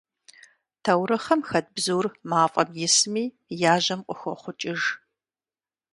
Таурыхъым хэт бзур, мафӀэм исми, яжьэм къыхохъукӀыж.